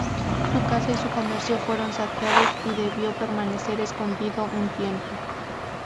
Su casa y su comercio fueron saqueados, y debió permanecer escondido un tiempo.